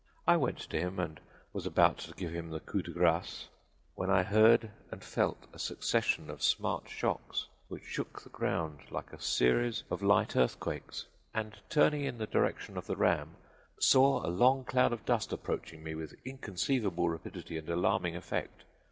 I went to him and was about to give him the coup de grace, when I heard and felt a succession of smart shocks which shook the ground like a series of light earthquakes, and turning in the direction of the ram, saw a long cloud of dust approaching me with inconceivable rapidity and alarming effect!